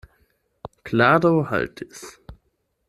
Klaro haltis.